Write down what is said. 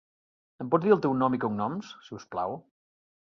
Em pots dir el teu nom i cognoms, si us plau?